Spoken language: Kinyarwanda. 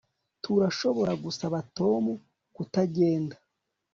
Turashobora gusaba Tom kutagenda